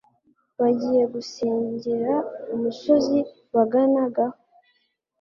bagiye gusingira umusozi baganagaho